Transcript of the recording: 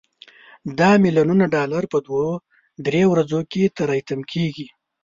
دا ملیونونه ډالر په دوه درې ورځو کې تري تم کیږي.